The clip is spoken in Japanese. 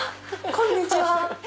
こんにちは。